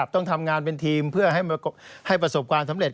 ต้องทำงานเป็นทีมเพื่อให้ประสบความสำเร็จ